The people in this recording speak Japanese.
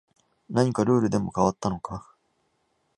何かルールでも変わったのか